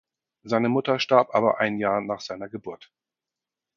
Seine Mutter starb aber ein Jahr nach seiner Geburt.